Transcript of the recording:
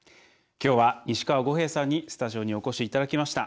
きょうは西川悟平さんにスタジオにお越しいただきました。